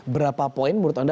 berapa poin menurut anda